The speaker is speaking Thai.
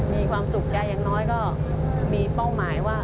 มีความสุขได้อย่างน้อยก็มีเป้าหมายว่า